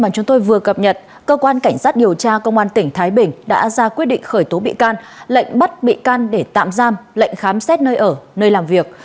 chúng tôi vừa cập nhật cơ quan cảnh sát điều tra công an tỉnh thái bình đã ra quyết định khởi tố bị can lệnh bắt bị can để tạm giam lệnh khám xét nơi ở nơi làm việc